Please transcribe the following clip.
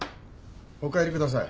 お帰りください。